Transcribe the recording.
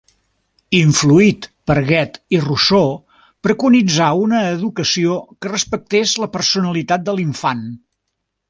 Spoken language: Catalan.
Influït per Goethe i Rousseau, preconitzà una educació que respectés la personalitat de l'infant.